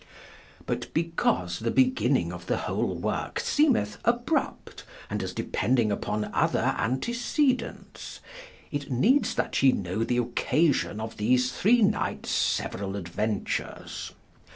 But because the beginning of the whole worke seemeth abrupte and as depending upon other antecedents, it needs that ye know the occasion of these three knights severall adventures.